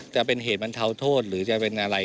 จะเป็นเหตุบรรเทาโทษหรือจะเป็นอะไร